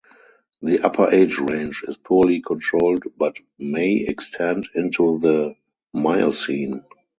The upper age range is poorly controlled but may extend into the Miocene.